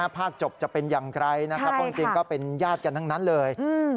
ภาคจบจะเป็นอย่างไรนะครับเพราะจริงก็เป็นญาติกันทั้งนั้นเลย